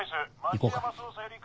行こうか。